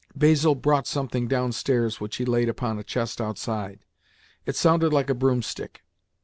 Basil brought something downstairs which he laid upon a chest outside. It sounded like a broom stick.